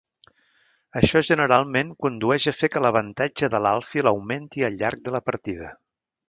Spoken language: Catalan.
Això generalment condueix a fer que l’avantatge de l’alfil augmenti al llarg de la partida.